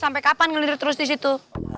sampai kapan ngelindur terus disitu